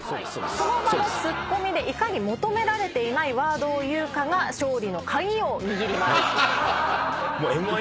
その場のツッコミでいかに求められていないワードを言うかが勝利の鍵を握ります。